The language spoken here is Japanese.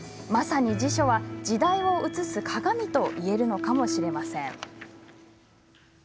まさに辞書は時代を映す鏡と言えるのかもしれません。